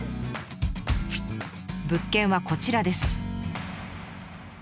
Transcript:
物件はこちらです。